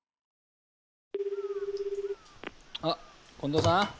あっ近藤さん？